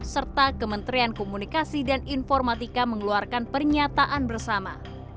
serta kementerian komunikasi dan informatika mengeluarkan pernyataan bersama